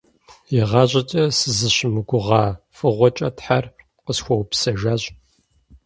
ИгъащӀэкӀэ сызыщымыгугъа фӀыгъуэкӀэ Тхьэр къысхуэупсэжащ.